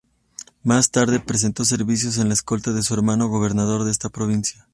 Más tarde prestó servicios en la escolta de su hermano, gobernador de esa provincia.